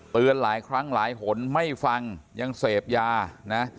หลายครั้งหลายหนไม่ฟังยังเสพยานะ